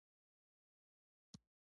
کوښښ وکړه له بازاري خوړو ځان وساتي